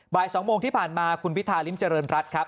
บ่าย๒โมงที่ผ่านมาคุณพิธาริมเจริญรัฐครับ